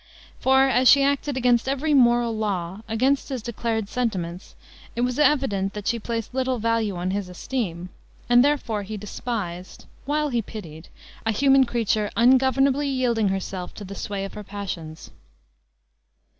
For, as she acted against every moral law, against his declared sentiments, it was evident that she placed little value on his esteem; and therefore he despised, while he pitied, a human creature ungovernably yielding herself to the sway of her passions.